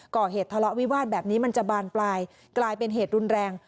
ก่อเหตุทะเลาะวิวาสแบบนี้มันจะบานปลายกลายเป็นเหตุรุนแรง